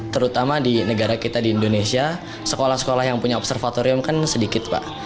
terutama di negara kita di indonesia sekolah sekolah yang punya observatorium kan sedikit pak